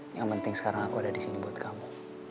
yang penting sekarang aku ada disini buat kamu